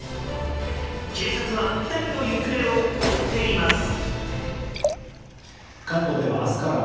警察は２人の行方を追っています。